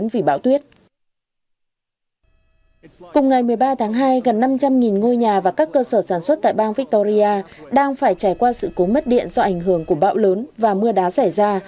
cùng ngày ba tháng hai gần năm trăm linh ngôi nhà và các cơ sở sản xuất tại bang victoria đang phải trải qua sự cố mất điện do ảnh hưởng của bão lớn và mưa đá xảy ra